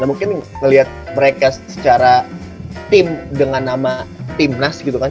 nah mungkin melihat mereka secara tim dengan nama timnas gitu kan